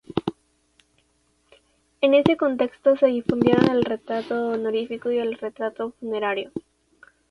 En ese contexto se difundieron el retrato honorífico y el retrato funerario.